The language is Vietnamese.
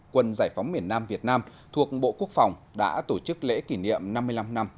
quân giải phóng miền nam việt nam thuộc bộ quốc phòng đã tổ chức lễ kỷ niệm năm mươi năm năm